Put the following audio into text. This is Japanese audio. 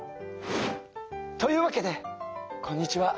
というわけでこんにちは。